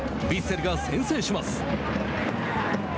ヴィッセルが先制します。